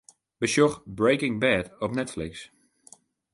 Besjoch 'Breaking Bad' op Netflix.